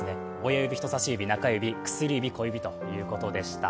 親指、人差し指、中指、薬指、小指ということでした。